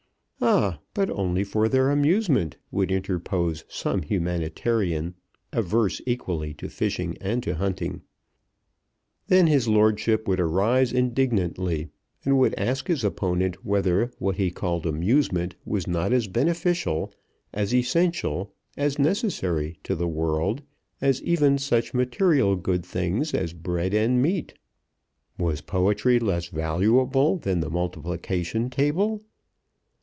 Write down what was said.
"Ah, but only for their amusement!" would interpose some humanitarian averse equally to fishing and to hunting. Then his lordship would arise indignantly and would ask his opponent, whether what he called amusement was not as beneficial, as essential, as necessary to the world as even such material good things as bread and meat. Was poetry less valuable than the multiplication table?